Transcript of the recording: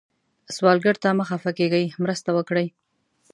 سوالګر ته مه خفه کېږئ، مرسته وکړئ